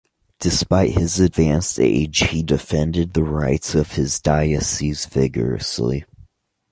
Despite his advanced age, he defended the rights of his diocese vigorously.